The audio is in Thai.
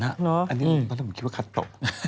อันนี้พระองค์คิดว่าคัดสตรก